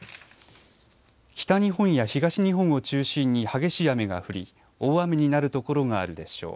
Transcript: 北日本や東日本を中心に激しい雨が降り大雨になる所があるでしょう。